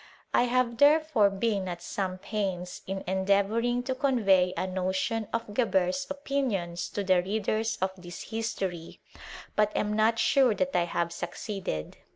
I have, therefore, been at some pains in endeavouring to convey a notion of Geber*s opinions to the readers of this history ; but am not sure that I have succeeded.